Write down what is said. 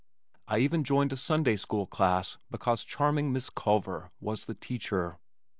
I even joined a Sunday school class because charming Miss Culver was the teacher.